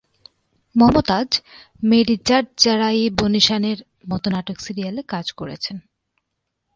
মমতাজ "মেরি জাট জারা-ই-বনিশানের" মতো নাটক সিরিয়ালে কাজ করেছেন।